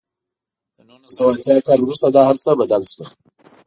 له نولس سوه اتیا کال وروسته دا هر څه بدل شول.